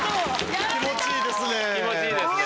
気持ちいいですね！